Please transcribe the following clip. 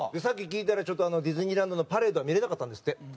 さっき聞いたらちょっとあのディズニーランドのパレードは見れなかったんですって。